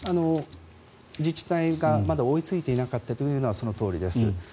自治体がまだ追いついていなかったというのはそのとおりです。